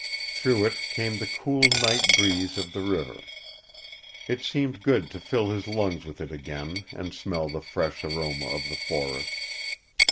Through it came the cool night breeze of the river. It seemed good to fill his lungs with it again and smell the fresh aroma of the forest.